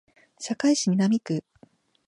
堺市南区